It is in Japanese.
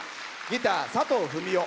ギター、佐藤文夫。